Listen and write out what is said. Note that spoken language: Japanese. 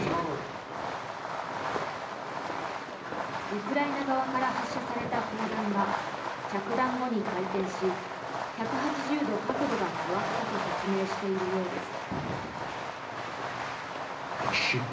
ウクライナ側から発射された砲弾が着弾後に回転し１８０度角度が変わったと説明しているようです。